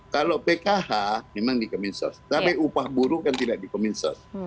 kalau pkh memang di kemin sos tapi upah buruk kan tidak di kemin sos